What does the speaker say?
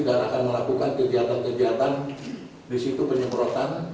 dan akan melakukan kegiatan kegiatan di situ penyemprotan